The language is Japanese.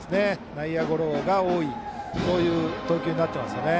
内野ゴロが多いという投球になっていますね。